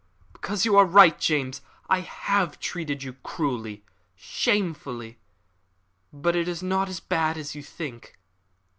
"Because you are right, James. I have treated you cruelly shamefully. But it is not as bad as you think."